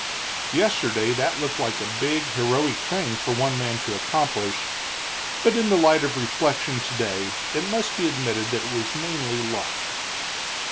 Yesterday that had looked like a big, heroic thing for one man to accomplish, but in the light of reflection today it must be admitted that it was mainly luck.